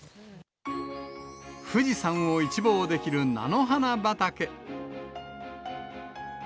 富士山を一望できる菜の花畑。